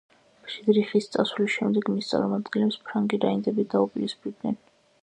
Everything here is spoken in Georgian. ფრიდრიხის წასვლის შემდეგ, მის წარმომადგენლებს ფრანგი რაინდები დაუპირისპირდნენ.